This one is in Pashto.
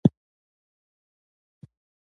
په دودیزه برخه کې کلیوالي ژوند او کرنه شامل دي.